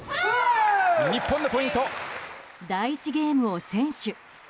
第１ゲームを先取。